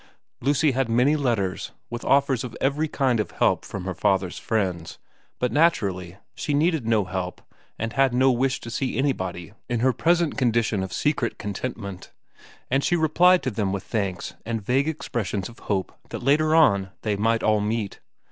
Lucy had many letters with offers of every kind of help from her father's friends, but naturally she needed no help and had no wish to see anybody in her present condition of secret contentment, and she replied to them with thanks and vague expressions of hope that later on they might all meet.